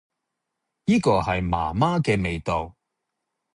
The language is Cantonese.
依個係媽媽嘅味道